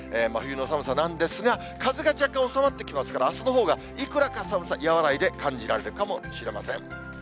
真冬の寒さなんですが、風が若干収まってきますから、あすのほうがいくらか寒さ、和らいで感じられるかもしれません。